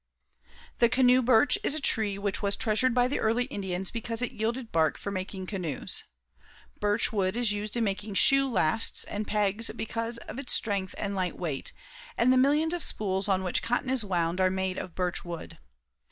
The canoe birch is a tree which was treasured by the early Indians because it yielded bark for making canoes. Birch wood is used in making shoe lasts and pegs because of its strength and light weight, and the millions of spools on which cotton is wound are made of birch wood.